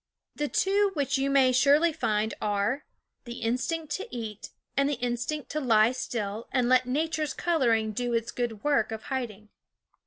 The two which you may surely find are: the instinct to eat, and the instinct to lie still and let nature's coloring do its good work of hiding.